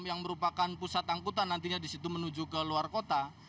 yang merupakan pusat angkutan nantinya di situ menuju ke luar kota